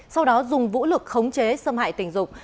sau đó dùng vũ lực khống chế xâm hại tình dục